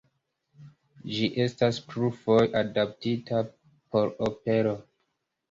Ĝi estas plurfoje adaptita por opero.